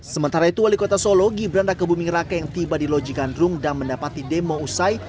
sementara itu wali kota solo gibran raka buming raka yang tiba di loji gandrung dan mendapati demo usai